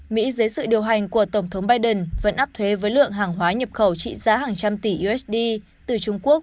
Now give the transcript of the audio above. mỹ dưới sự điều hành của tổng thống biden vẫn áp thuế với lượng hàng hóa nhập khẩu trị giá hàng trăm tỷ usd từ trung quốc